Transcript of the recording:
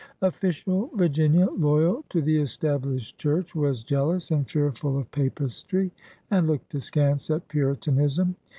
Official Virginia, loyal to the Established Church, was jealous and fearful of Papistry ' and looked askance at Puritanism.